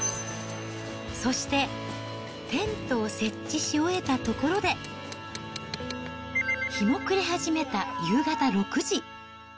そして、テントを設置し終えたところで、日も暮れ始めた夕方６時。